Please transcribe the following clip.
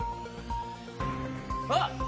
・あっ！